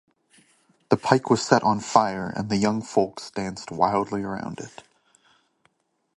The pile was set on fire and the young folks danced wildly around it.